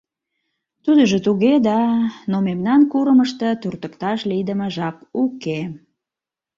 — Тудыжо туге да, но мемнан курымышто туртыкташ лийдыме жап уке.